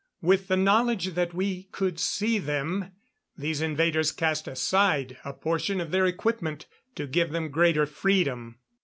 With the knowledge that we could see them, these invaders cast aside a portion of their equipment to give them greater freedom.